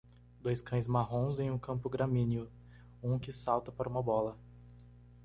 Dois cães marrons em um campo gramíneo? um que salta para uma bola.